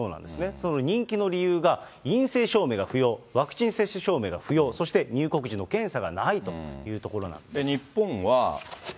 その人気の理由が、陰性証明が不要、ワクチン接種証明が不要、そして入国時の検査がないというところ日本は。